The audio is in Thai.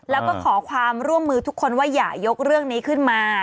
แล้วก็ขอความร่วมมือทุกคนว่าอย่ายกเรื่องนี้ขึ้นมา